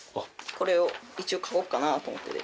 これを一応描こうかなと思ってて。